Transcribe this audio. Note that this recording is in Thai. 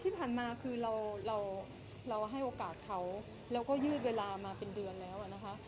ที่ผ่านมาคือเราเราให้โอกาสเขาแล้วก็ยืดเวลามาเป็นเดือนแล้วนะคะ